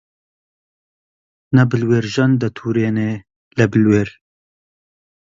نە بلوێرژەن دەتووڕێنێ لە بلوێر